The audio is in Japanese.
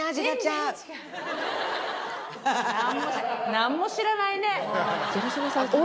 何も知らない。